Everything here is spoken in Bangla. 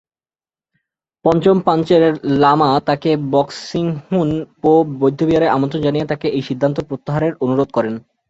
পঞ্চম পাঞ্চেন লামা তাকে ব্ক্রা-শিস-ল্হুন-পো বৌদ্ধবিহারে আমন্ত্রণ জানিয়ে তাকে এই সিদ্ধান্ত প্রত্যাহারের অনুরোধ করেন।